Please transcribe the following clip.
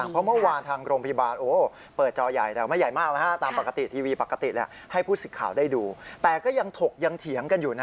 เพราะทางผโรงพยาบาลบอกว่าพอดูจอใหญ่